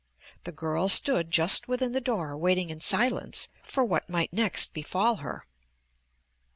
The girl stood just within the door waiting in silence for what might next befall her.